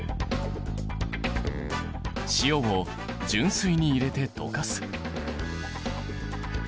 塩を純水に入れて溶かす。